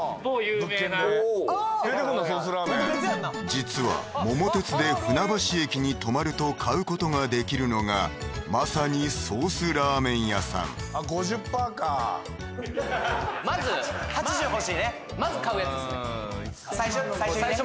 実は桃鉄で船橋駅に止まると買うことができるのがまさにソースラーメン屋さんあっ５０％かまずまず買うやつですね最初最初にね